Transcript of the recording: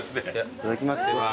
いただきます。